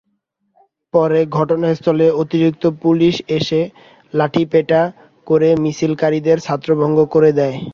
পরে ঘটনাস্থলে অতিরিক্ত পুলিশ এসে লাঠিপেটা করে মিছিলকারীদের ছত্রভঙ্গ করে দেয়।